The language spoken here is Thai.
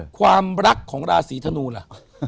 ความรักของราศีธนูล่ะ